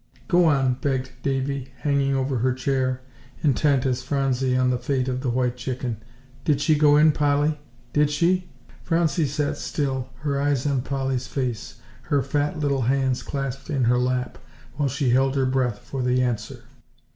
"Go on," begged Davie, hanging over her chair, intent as Phronsie on the fate of the white chicken; "did she go in, Polly; did she?" Phronsie sat still, her eyes on Polly's face, her fat little hands clasped in her lap, while she held her breath for the answer.